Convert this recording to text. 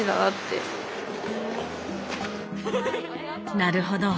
なるほど。